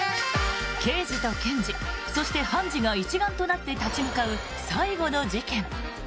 刑事と検事、そして判事が一丸となって立ち向かう最後の事件。